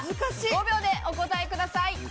５秒でお答えください。